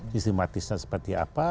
sistematisnya seperti apa